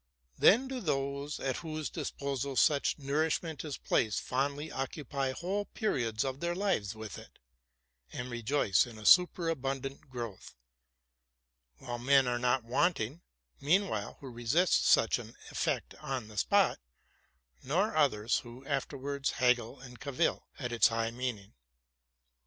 Then do those at whose disposal such nourishment is placed fondly occupy whole periods of their lives with it, and re joice in a superabundant growth; while men are not want ing, meanwhile, who resist such an effect on the spot, nor others who afterwards haggle and cavil at its high meaning.